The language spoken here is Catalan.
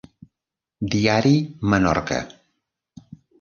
Diari Menorca.